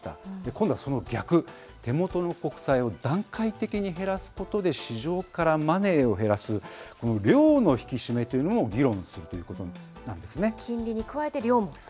今度はその逆、手元の国債を段階的に減らすことで市場からマネーを減らす、この量の引き締めということも議論するということなんですね。